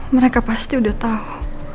mereka pasti udah tau